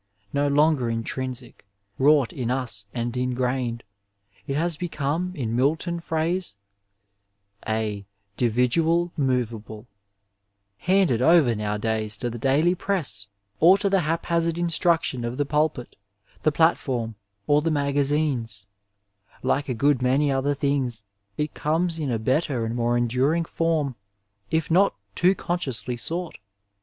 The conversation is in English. No longer intrinsic, wrought in us and ingrained, it has become, in Milton phrase, a " dividual 383 Oigitized by VjOOQIC THE MASTER WORD IN MEDICINE movaUe*'' handed over nowadays to the daily preas or to the haphasaid inBtn]oti0n of the pulpit, the platform or the magwnes. Like a good many othei things, it comes in a better and more enduring tonn if not too consciously sought.